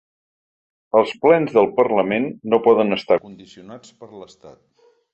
Els plens del parlament no poden estar condicionats per l’estat.